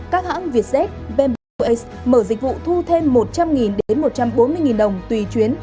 các hãng vietjet bambi oasis mở dịch vụ thu thêm một trăm linh một trăm bốn mươi đồng tùy chuyến